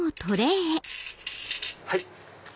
はい。